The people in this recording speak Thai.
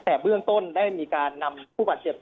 แต่เบื้องต้นได้มีการนำผู้บาดเจ็บ